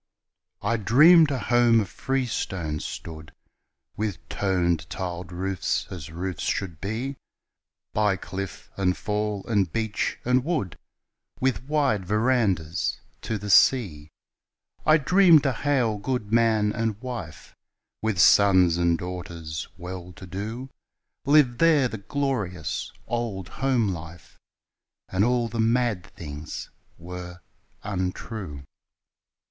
I dreamed a home of freestone stood With toned tiled roofs as roofs should be, By cliff and fall and beach and wood With wide verandahs to the sea. I dreamed a hale gudeman and wife, With sons and daughters well to do, Lived there the glorious old home life And all the mad things were untrue.